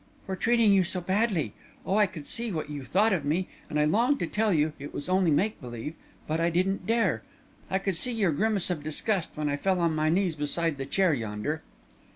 "For treating you so badly! Oh, I could see what you thought of me, and I longed to tell you it was only make believe, but I didn't dare! I could see your grimace of disgust, when I fell on my knees beside the chair yonder...."